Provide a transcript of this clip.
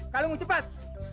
kalau mau cepat